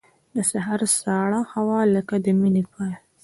د سهار سړه هوا لکه د مینې پیل.